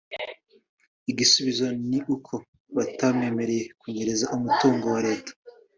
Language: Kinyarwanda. Igisubizo n’uko batamwemereye kunyereza umutungo wa Leta